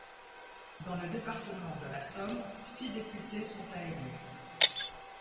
Dans le département de la Somme, six députés sont à élire.